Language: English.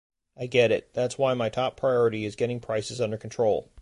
I get it. That’s why my top priority is getting prices under control.